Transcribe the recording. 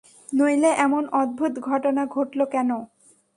নইলে এমন অদ্ভুত ঘটনা ঘটল কেন?